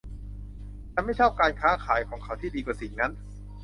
ฉันไม่ชอบการค้าขายของเขาที่ดีกว่าสิ่งนั้น